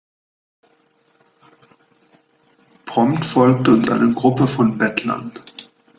Prompt folgte uns eine Gruppe von Bettlern.